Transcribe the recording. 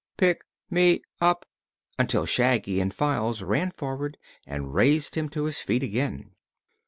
Pick me up!" until Shaggy and Files ran forward and raised him to his feet again.